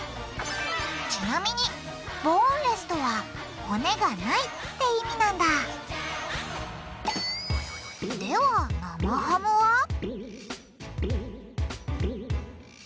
ちなみに「ボーンレス」とは「骨がない」って意味なんだでは生ハムは？